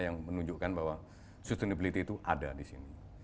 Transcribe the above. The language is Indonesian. yang menunjukkan bahwa sustainability itu ada di sini